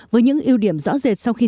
với những ưu điểm rõ rệt sau khi tham gia